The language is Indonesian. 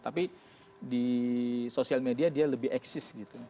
tapi di sosial media dia lebih eksis gitu